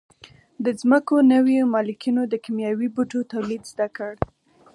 د ځمکو نویو مالکینو د کیمیاوي بوټو تولید زده کړ.